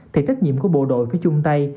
thì trách nhiệm của bộ đội phải chung tay